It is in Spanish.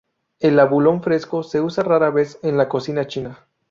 El abulón fresco se usa rara vez en la cocina china.